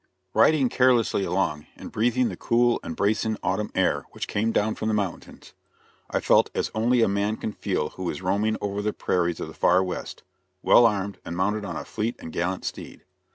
Riding carelessly along, and breathing the cool and bracing autumn air which came down from the mountains, I felt as only a man can feel who is roaming over the prairies of the far West, well armed, and mounted on a fleet and gallant steed.